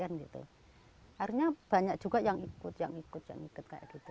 akhirnya banyak juga yang ikut yang ikut yang ikut